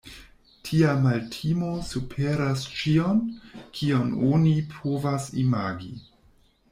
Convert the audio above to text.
Tia maltimo superas ĉion, kion oni povas imagi.